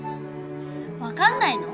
分かんないの？